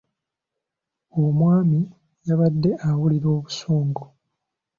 Omwami yabadde awulira obusungu.